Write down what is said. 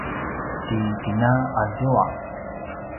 ti kina azua